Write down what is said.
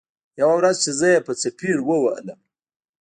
يوه ورځ چې زه يې په څپېړو ووهلم.